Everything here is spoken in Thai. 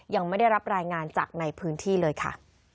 ยังไม่ได้รับรายงานจากในพื้นที่เลยค่ะ